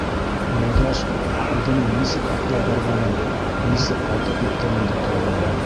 Юлдаш үҙенең нисек атлап барғанын, нисек ҡайтып еткәнен дә тойманы.